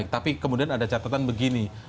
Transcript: tapi kemudian ada catatan begini